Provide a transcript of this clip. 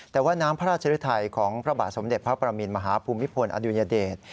แต่ว่าน้ำพระราชฤทัยของพระบาทสมเด็จพระประมินมหาภูมิพลอดุญเดช